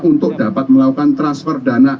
untuk dapat melakukan transfer dana